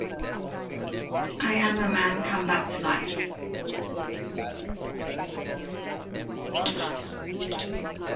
I am a man come back to life.